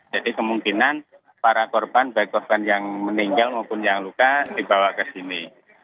jadi kemungkinan para korban baik korban yang meninggal maupun yang luka dibawa ke sini